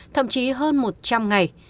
thậm chí hơn một trăm linh ngày